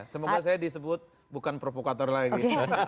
semoga saya disebut bukan provokator lagi